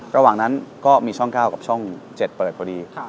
ระหว่างนั้นก็มีช่อง๙กับช่อง๗เปิดพอดี